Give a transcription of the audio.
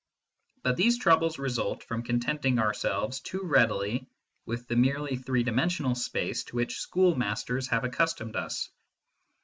But these troubles result from contenting ourselves too readily with the merely three dimensional space to which schoolmasters have accustomed us.